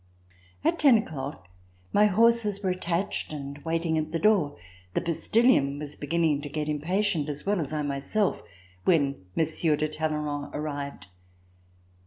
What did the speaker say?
At ten o'clock my horses were attached and wait ing at the door. The postillion was beginning to get impatient, as well as I myself, when Monsieur de Talleyrand arrived.